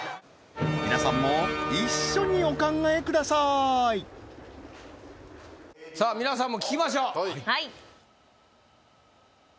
皆さんも一緒にお考えくださいさあ皆さんも聴きましょうはい